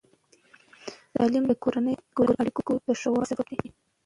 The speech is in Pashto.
تعلیم د کورني اړیکو د ښه والي سبب دی.